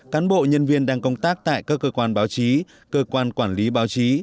cán bộ nhân viên đang công tác tại các cơ quan báo chí cơ quan quản lý báo chí